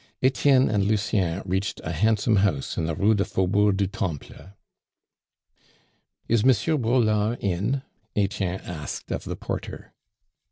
Etienne and Lucien reached a handsome house in the Rue du Faubourg du Temple. "Is M. Braulard in?" Etienne asked of the porter.